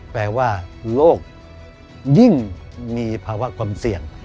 แปลว่าโลกยิ่งมีภาวะความเสี่ยง